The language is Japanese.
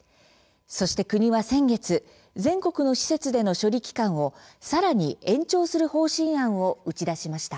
そして国は先月全国の施設での処理期間をさらに延長する方針案を打ち出しました。